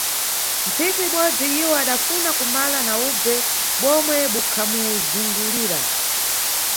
Ntsiku ibodzi iwo adafuna kumala na ubve bomwe bukhamuzungulira.